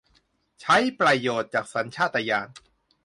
ใช้ประโยชน์จากสัญชาตญาณ